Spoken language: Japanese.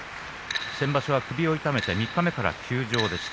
先場所は首を痛めて三日目から休場でした。